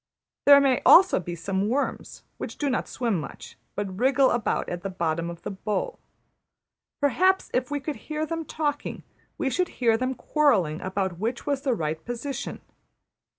There may also be some worms, who do not swim much, but wriggle about at the bottom of the bowl. Perhaps if we could hear them talking we should hear them quarrelling about which was the right position.